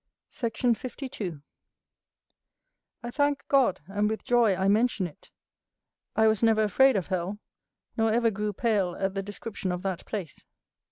Sect. 52. I thank God, and with joy I mention it, I was never afraid of hell, nor ever grew pale at the description of that place.